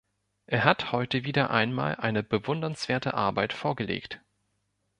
Er hat heute wieder einmal eine bewundernswerte Arbeit vorgelegt.